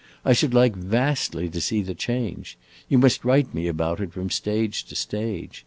I should like vastly to see the change. You must write me about it, from stage to stage.